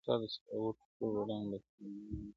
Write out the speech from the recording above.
ستا د سکروټو سترگو رنگ به سم، رڼا به سم